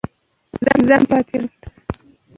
کوېنیګزمان د سفر په برابرولو کې مرسته وکړه.